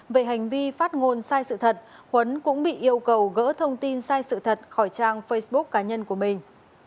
về hành vi phát ngôn sai sự thật huấn cũng bị yêu cầu gỡ thông tin sai sự thật khỏi trang facebook cá nhân của mình